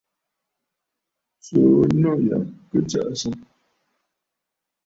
Tsùu nû ya kɨ tsəʼəsə!